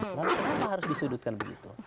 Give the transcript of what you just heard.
selama harus disudutkan begitu